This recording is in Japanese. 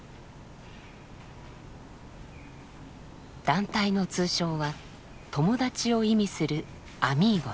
団体の通称は「友達」を意味する「ＡＭＩＧＯＳ」。